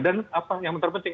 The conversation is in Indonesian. dan apa yang terpenting